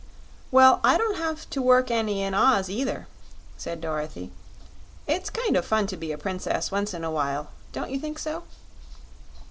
"Well, I don't have to work any in Oz, either," said Dorothy. "It's kind of fun to be a Princess once in a while; don't you think so?"